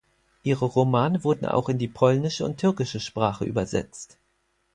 Ihre Romane wurden auch in die polnische und türkische Sprache übersetzt.